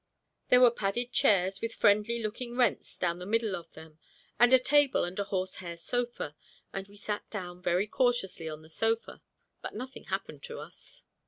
There were padded chairs with friendly looking rents down the middle of them, and a table and a horse hair sofa, and we sat down very cautiously on the sofa but nothing happened to us.